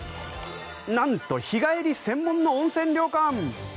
なんと日帰り専門の温泉旅館。